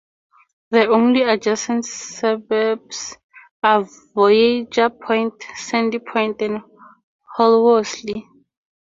The only adjacent suburbs are Voyager Point, Sandy Point and Holsworthy.